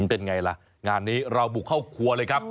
เป็นไงล่ะงานนี้เราบุกเข้าครัวเลยครับ